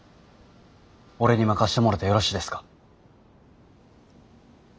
俺に任してもろてよろしですか？